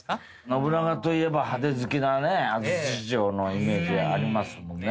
信長といえば派手好きなね安土城のイメージがありますもんね。